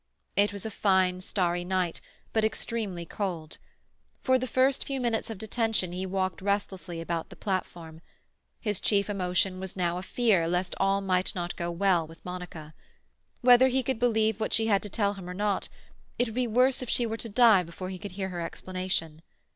It was a fine starry night, but extremely cold. For the few minutes of detention he walked restlessly about the platform. His chief emotion was now a fear lest all might not go well with Monica. Whether he could believe what she had to tell him or not, it would be worse if she were to die before he could hear her exculpation.